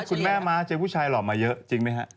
คุณแม่ม้าเจอผู้ชายหล่อมาเยอะจริงไหมฮะ